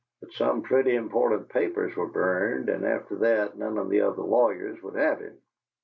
"But some pretty important papers were burned, and after that none of the other lawyers would have him."